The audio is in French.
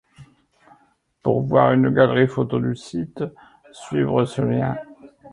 Pour voir une galerie photo du site, suivre ce lien →